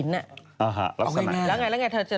อาฮะแล้วสมัยแล้วไงเธอเจอว่าอะไร